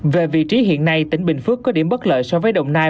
về vị trí hiện nay tỉnh bình phước có điểm bất lợi so với đồng nai